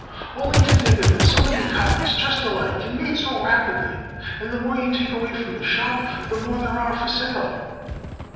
"Only to think of it, so many copies just alike, and made so rapidly! And the more you take away from the shop, the more there are for sale!